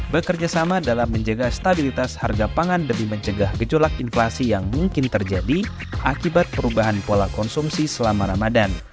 bekerjasama dalam menjaga stabilitas harga pangan demi mencegah gejolak inflasi yang mungkin terjadi akibat perubahan pola konsumsi selama ramadan